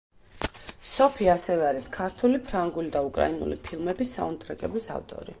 სოფი ასევე არის ქართული, ფრანგული და უკრაინული ფილმების საუნდტრეკების ავტორი.